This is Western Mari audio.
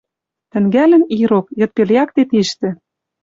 Тӹнгӓлӹн ирок, йыдпел якте тиштӹ